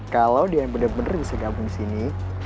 kalo deyan bener bener bisa gabung di sini